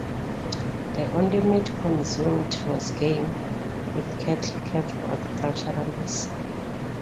The only meat consumed was game, with cattle kept for agricultural use.